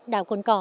đảo quần cò